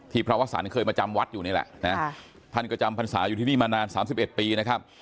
พระวสันเคยมาจำวัดอยู่นี่แหละนะท่านก็จำพรรษาอยู่ที่นี่มานาน๓๑ปีนะครับ